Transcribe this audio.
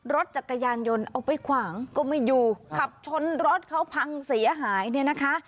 รถจักรยานยนต์เอาไปขวางก็ไม่อยู่ขับชนรถเขาพังเสียหายเนี่ยนะคะ